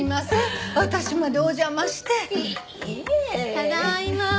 ただいま。